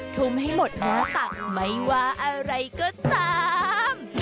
ทุ่มให้หมดแอ้ตัดไม่ว่าอะไรก็ตาม